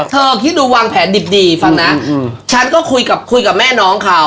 เธอคิดดูวางแผนดิบดีฟังนะฉันก็คุยกับคุยกับแม่น้องเขา